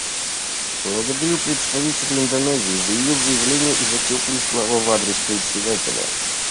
Благодарю представителя Индонезии за ее заявление и за теплые слова в адрес Председателя.